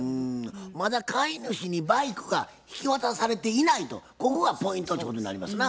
まだ買い主にバイクが引き渡されていないとここがポイントっちゅうことになりますな。